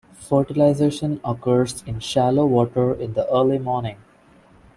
Fertilization occurs in shallow water in the early morning.